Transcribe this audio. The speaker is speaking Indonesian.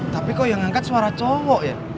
tapi kok yang angkat suara cowok ya